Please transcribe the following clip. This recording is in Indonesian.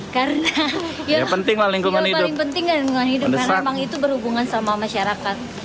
karena ya paling penting lingkungan hidup karena memang itu berhubungan sama masyarakat